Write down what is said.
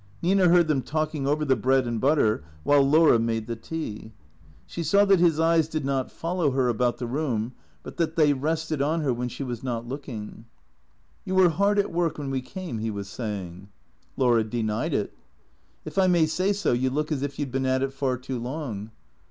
Nina heard them talking over the bread and butter while Laura made the tea. She saw that his eves did not follow her 206 THECREATOES about the room, but that they rested on her when she was not looking. " You were hard at work when we came/' he was saying. Laura denied it. " If I may say so, you look as if you 'd been at it far too long."